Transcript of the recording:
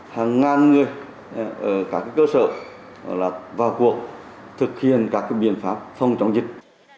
hàng ngàn người ở các cơ sở vào cuộc thực hiện các biện pháp phòng chống dịch